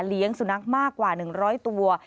เลี้ยงสุนัขมากกว่า๑๐๐ตัว